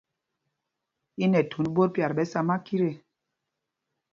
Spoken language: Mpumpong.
I nɛ thund ɓot pyat ɓɛ sá makit ê.